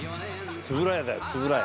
円谷だよ円谷。